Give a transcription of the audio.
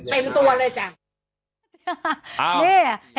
เต็มตัวเลยจ้ะ